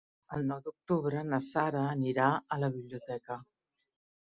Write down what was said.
El nou d'octubre na Sara anirà a la biblioteca.